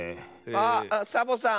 あっサボさん！